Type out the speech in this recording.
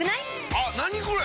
あっ何これ！